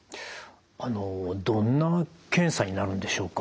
あのどんな検査になるんでしょうか。